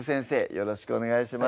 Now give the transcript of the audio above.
よろしくお願いします